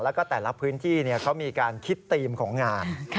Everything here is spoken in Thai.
แล้วก็แต่ละพื้นที่เขามีการคิดธีมของงาน